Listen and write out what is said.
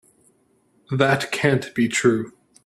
That can't be true.